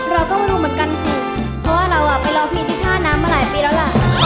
เราก็ไม่รู้เหมือนกันสิเพราะว่าเราไปรอพี่ที่ท่าน้ำมาหลายปีแล้วล่ะ